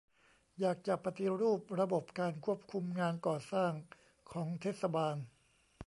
อยากจะปฏิรูประบบการควบคุมงานก่อสร้างของเทศบาล